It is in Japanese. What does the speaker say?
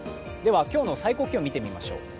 今日の最高気温を見てみましょう。